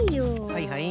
はいはい。